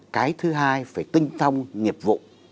cái thứ hai phải tinh thông nghiệp vụ